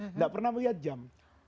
tidak pernah melihat jam